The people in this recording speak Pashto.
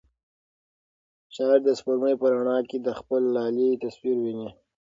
شاعر د سپوږمۍ په رڼا کې د خپل لالي تصویر ویني.